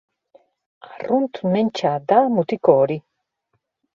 Arrunt mentsa da mutiko hori.